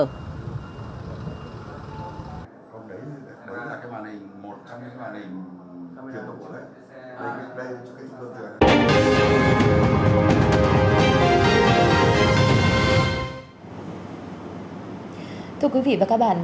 cảm ơn quý vị và các bạn